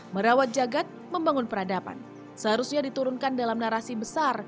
merawat jagad membangun peradaban seharusnya diturunkan dalam narasi besar